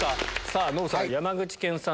さぁノブさん。